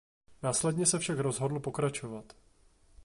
Následně se však rozhodl pokračovat.